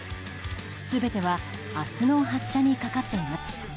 全ては明日の発射にかかっています。